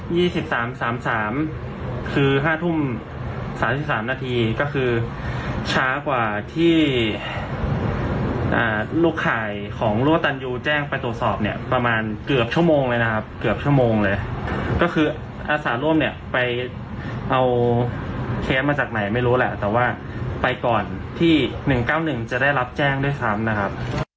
สิบสามสามสามคือห้าทุ่มสามสิบสามนาทีก็คือช้ากว่าที่อ่าลูกข่ายของรั่วตันยูแจ้งไปตรวจสอบเนี่ยประมาณเกือบชั่วโมงเลยนะครับเกือบชั่วโมงเลยก็คืออาสาร่วมเนี่ยไปเอาเคสมาจากไหนไม่รู้แหละแต่ว่าไปก่อนที่หนึ่งเก้าหนึ่งจะได้รับแจ้งด้วยซ้ำนะครับ